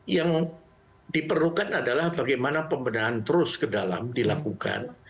yang diperlukan adalah bagaimana pembedahan terus ke dalam dilakukan